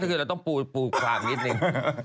ก็คือเราต้องปูความนิดนึง